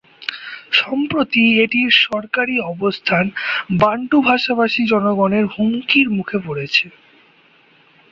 সম্প্রতি এটির সরকারি অবস্থান বান্টু ভাষাভাষী জনগণের হুমকির মুখে পড়েছে।